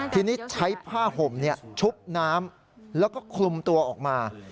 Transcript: ทีนี้ใช้ผ้าห่มชุบน้ำแล้วก็คลุมตัวออกมา